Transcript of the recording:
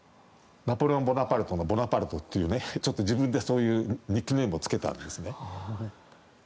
ナポレオン・ボナパルトのボナパルトというねちょっと自分でそういうニックネームをつけたんですね。